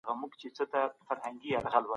ايا صبر مهم دی؟